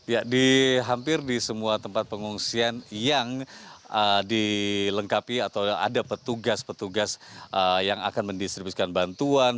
ya di hampir di semua tempat pengungsian yang dilengkapi atau ada petugas petugas yang akan mendistribusikan bantuan